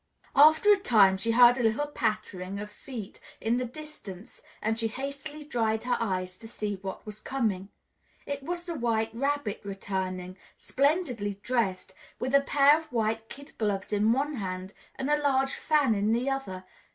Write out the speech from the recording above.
After a time, she heard a little pattering of feet in the distance and she hastily dried her eyes to see what was coming. It was the White Rabbit returning, splendidly dressed, with a pair of white kid gloves in one hand and a large fan in the other.